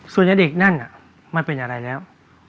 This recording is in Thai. ส่วนใหญ่เด็กนั่นมันเป็นอะไรแล้ว